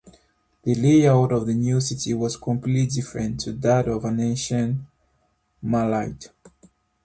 The layout of the new city was completely different to that of ancient Melite.